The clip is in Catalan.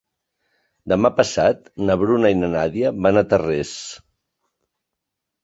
Demà passat na Bruna i na Nàdia van a Tarrés.